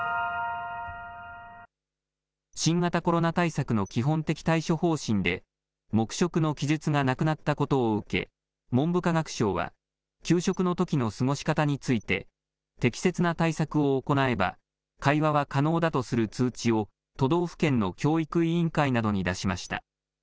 新型コロナ対策の基本的対処方針で黙食の記述がなくなったことを受け文部科学省は給食のときの過ごし方について適切な対策を行えば会話は可能だとする通知を都道府県の教育委員会などに出しました。